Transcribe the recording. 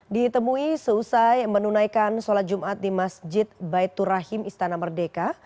ditemui seusai menunaikan sholat jumat di masjid baitur rahim istana merdeka